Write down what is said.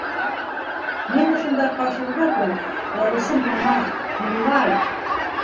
Мин ошонда ҡаршығыҙҙа торам, ә әсем яна, һыҙлай!